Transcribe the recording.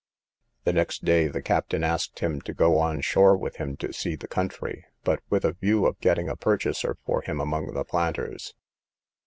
The next day the captain asked him to go on shore with him to see the country, but with a view of getting a purchaser for him among the planters.